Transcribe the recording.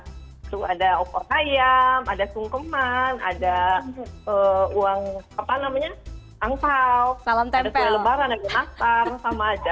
tuh ada opo sayam ada sungkeman ada uang angkau ada lebaran yang dimasar sama aja